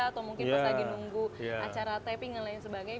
atau mungkin pas lagi nunggu acara taping dan lain sebagainya